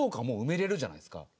もう埋めれるじゃないですか。